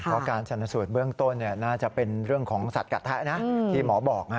เพราะการชนสูตรเบื้องต้นน่าจะเป็นเรื่องของสัตว์กัดแท้นะที่หมอบอก